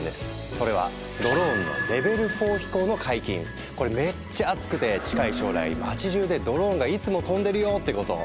それはこれめっちゃアツくて近い将来街じゅうでドローンがいつも飛んでるよってこと。